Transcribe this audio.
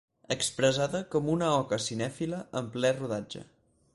Expressada com una oca cinèfila en ple rodatge.